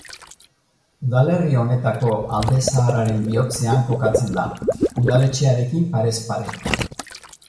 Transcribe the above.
Udalerri honetako alde zaharraren bihotzean kokatzen da, udaletxearekin parez-pare.